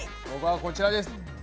僕はこちらです。